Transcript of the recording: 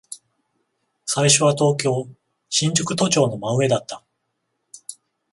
最初は東京、新宿都庁の真上だった。